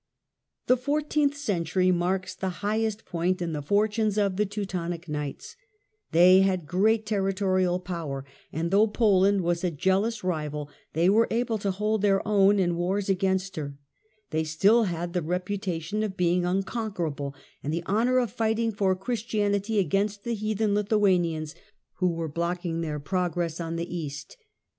The fourteenth century marks the highest point in The the fortunes of the Teutonic Knights. They had great tiie heigiit territorial power, and though Poland was a jealous rival, po^er" they were able to hold their own in wars against her ; i JJ^^^^^teenth they still had the reputation of being unconquerable and ceutmy the honour of fighting for Christianity against the heathen Lithuanians who were blocking their progress on the 230 THE END OF THE MIDDLE AGE East.